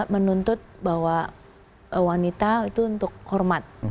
menuntut bahwa wanita itu untuk hormat